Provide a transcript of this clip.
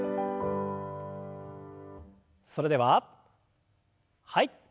それでははい。